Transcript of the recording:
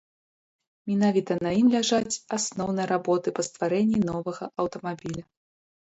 Менавіта на ім ляжаць асноўныя работы па стварэнні новага аўтамабіля.